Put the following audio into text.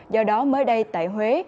do đó mới đây tại huế